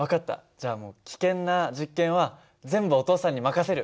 じゃあもう危険な実験は全部お父さんに任せる！